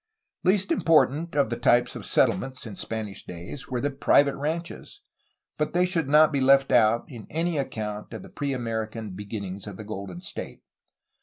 Least important of the types of settlement in Spanish days were the private ranches, but they should not be left out in any account of the pre American beginnings of the Golden State.